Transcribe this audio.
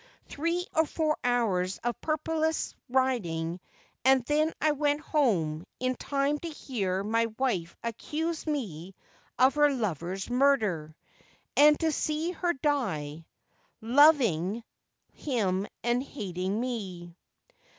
Three or four hours of purposeless riding, and then I went home, in time to hear my Lizzie's Failure. 339 wife accuse me of her lover's murder, and to see her die, loving him and hating me.